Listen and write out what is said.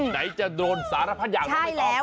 ไหนจะโดนสารพัฒนารุนอย่างว่านี้ออก